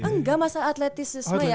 enggak masalah atletisme ya